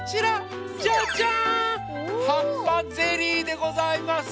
はっぱゼリーでございます！